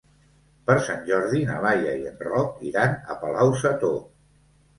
Per Sant Jordi na Laia i en Roc iran a Palau-sator.